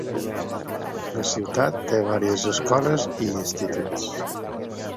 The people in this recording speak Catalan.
La ciutat té vàries escoles i instituts.